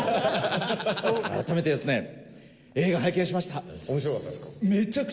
改めて、映画、拝見しました。